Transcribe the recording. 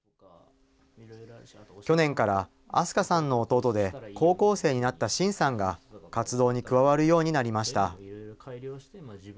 去年から明日香さんの弟で高校生になった真さんが、活動に加わるようになりました。